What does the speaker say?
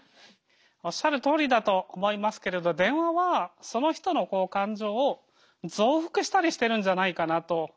おっしゃるとおりだと思いますけれど電話はその人の感情を増幅したりしてるんじゃないかなと思いますよね。